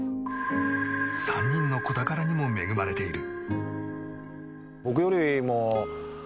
３人の子宝にも恵まれている。